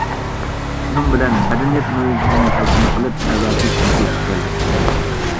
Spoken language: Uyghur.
شۇنىڭ بىلەن مەدەنىيەت مۆجىزىلىرىنى تەرجىمە قىلىپ ئەۋەتىش نىيىتىگە كەلدىم.